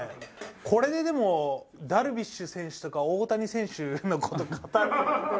これででもダルビッシュ選手とか大谷選手の事語る？